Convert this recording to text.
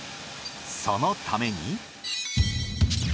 そのために。